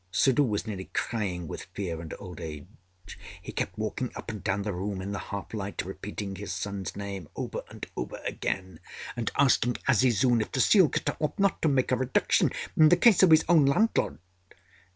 Suddhoo was nearly crying with fear and old age. He kept walking up and down the room in the half light, repeating his son's name over and over again, and asking Azizun if the seal cutter ought not to make a reduction in the case of his own landlord.